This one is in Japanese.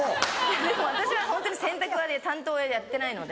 でも私はホントに洗濯は担当はやってないので。